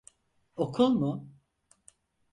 Okul mu?